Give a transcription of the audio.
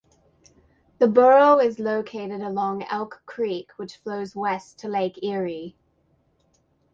The borough is located along Elk Creek, which flows west to Lake Erie.